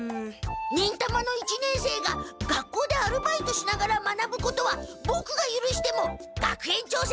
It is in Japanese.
忍たまの一年生が学校でアルバイトしながら学ぶことはボクがゆるしても学園長先生がゆるさない！